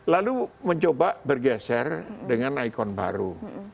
lalu mencoba bergeser dengan ikon baru